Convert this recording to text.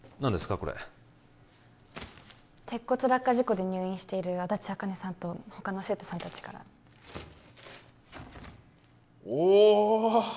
これ鉄骨落下事故で入院している足立明音さんと他の生徒さん達からおー！